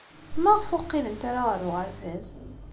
Maɣef ur qqilent ara ɣer uɣerbaz?